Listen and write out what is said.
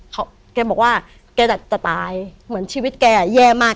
เขาแกบอกว่าแกจะตายเหมือนชีวิตแกแย่มาก